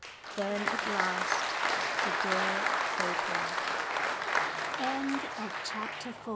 Then at last the door opened. CHAPTER V.